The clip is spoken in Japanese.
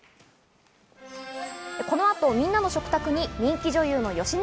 この後、みんなの食卓に人気女優の芳根